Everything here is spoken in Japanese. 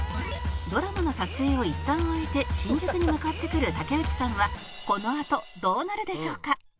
「ドラマの撮影をいったん終えて新宿に向かってくる竹内さんはこのあとどうなるでしょうか？」